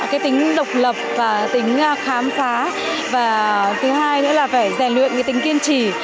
cái tính độc lập và tính khám phá và thứ hai nữa là phải rèn luyện cái tính kiên trì